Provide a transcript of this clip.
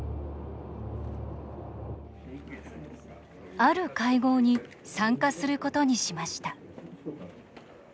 ある会合に参加することにしました。